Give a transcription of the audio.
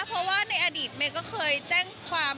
เพราะว่าในอดีตเมย์ก็เคยแจ้งความ